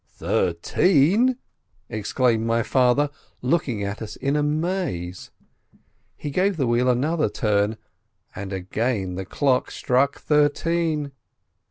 "Thirteen!" exclaimed my father, looking at us in amaze. He gave the wheel another turn, and again the clock struck thirteen.